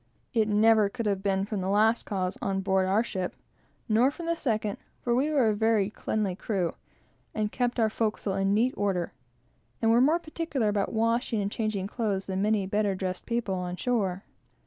It never could have been from the latter cause on board our ship; nor from the second, for we were a very cleanly crew, kept our forecastle in neat order, and were more particular about washing and changing clothes than many better dressed people on shore.